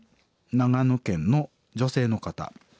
長野県の女性の方。